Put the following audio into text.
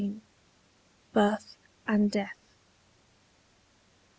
BIRTH AND DEATH.